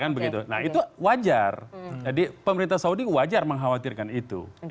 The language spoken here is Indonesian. nah itu wajar jadi pemerintah saudi wajar mengkhawatirkan itu